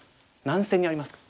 何線にありますか？